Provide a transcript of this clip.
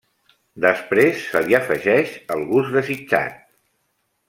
Després, se li afegeix el gust desitjat.